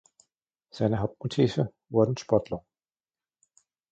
Seine Hauptmotive wurden Sportler.